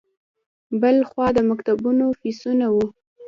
بل خوا د مکتبونو فیسونه وو.